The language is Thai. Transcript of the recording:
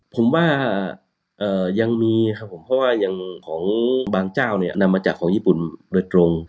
ผมว่ายังมีครับผมเพราะว่ายังของบางเจ้าเนี่ยนำมาจากของญี่ปุ่นโดยตรง